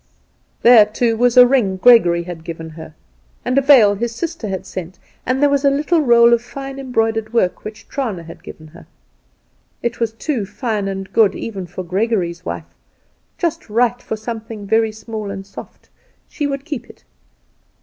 There, too, was a ring Gregory had given her, and a veil his sister had sent, and there was a little roll of fine embroidered work which Trana had given her. It was too fine and good even for Gregory's wife just right for something very small and soft. She would keep it.